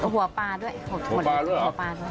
หัวปลาด้วยหัวปลาดีกว่าหัวปลาด้วยอ่ะ